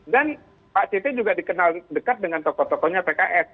dan pak cp juga dikenal dekat dengan tokoh tokohnya pks